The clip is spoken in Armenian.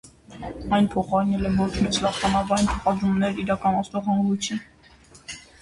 Այն փոխարինել է ոչ մեծ լաստանավային փոխադրումներ իրականացնող հանգույցին։